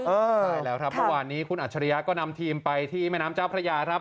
ใช่แล้วครับประวัตินี้คุณอัชริยาก็นำทีมไปที่แม่น้ำเจ้าพระยา